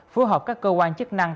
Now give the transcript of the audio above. phù hợp các cơ quan chức năng